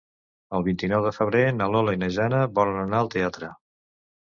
El vint-i-nou de febrer na Lola i na Jana volen anar al teatre.